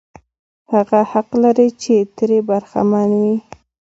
هغه حق لري چې ترې برخمن وي.